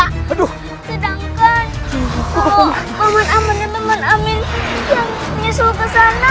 sedangkan kalau paman aman dan paman amin yang menyusul kesana